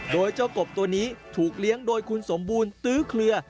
โดยเจ้ากบตัวนี้ถูกเลี้ยงโดยคุณสมบูรณ์ตื้อเคลือ